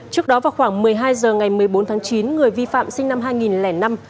trước đó vào khoảng một mươi hai h ngày một mươi bốn tháng chín người vi phạm sinh năm hai nghìn năm